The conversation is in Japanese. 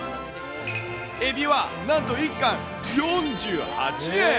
エビはなんと、１貫４８円。